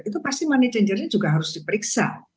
itu pasti money changernya juga harus diperiksa